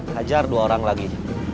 hajar dua orang lagi